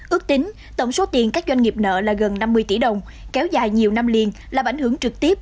ước tính tổng số tiền các doanh nghiệp nợ là gần năm mươi tỷ đồng kéo dài nhiều năm liền là bảnh hướng trực tiếp